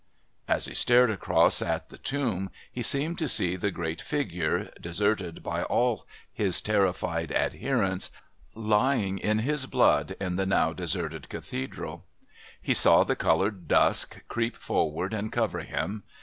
'" As he stared across at the tomb, he seemed to see the great figure, deserted by all his terrified adherents, lying in his blood in the now deserted Cathedral; he saw the coloured dusk creep forward and cover him.